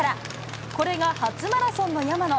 これが初マラソンの山野。